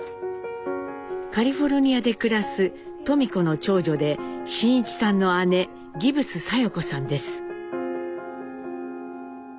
カリフォリニアで暮らす登美子の長女で真一さんの姉ギブス佐代子さんです。